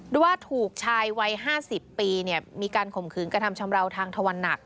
ด้วยว่าถูกชายวัยห้าสิบปีเนี่ยมีการข่มขืนกระทำชำราวทางธวรรณหนัก